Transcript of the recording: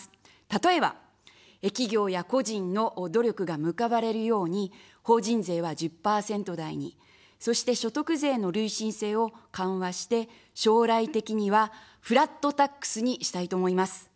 例えば、企業や個人の努力が報われるように、法人税は１０％台に、そして所得税の累進性を緩和して、将来的にはフラットタックスにしたいと思います。